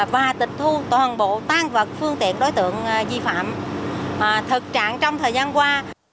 và tịch thu toàn bộ tan vật phương tiện đối tượng di phạm thực trạng trong thời gian qua